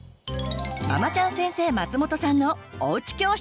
ママちゃん先生松本さんの「おうち教室」！